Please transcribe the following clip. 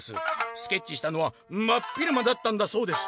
スケッチしたのはまっ昼間だったんだそうです！」。